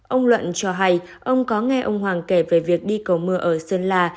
ông luận cho hay ông có nghe ông hoàng kể về việc đi cầu mưa ở sơn la